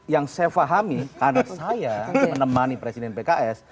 yang saya pahami anak saya menemani presiden pks